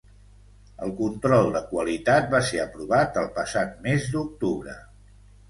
El control de qualitat va ser aprovat el passat mes d'octubre.